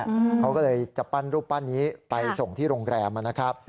เขาก็เลยจะปั้นรูปปั้นนี้ไปส่งที่โรงแรมนะครับ